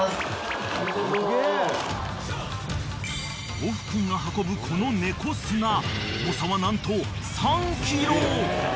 ［オフ君が運ぶこの猫砂重さは何と３ｋｇ］